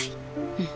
うん。